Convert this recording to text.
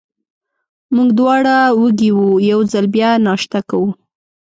موږ دواړه وږي وو، یو ځل بیا ناشته کوو.